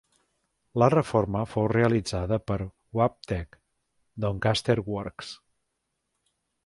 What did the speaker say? La reforma fou realitzada per Wabtec, Doncaster Works.